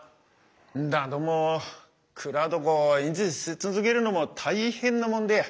だども蔵どこを維持し続けるのも大変なもんで。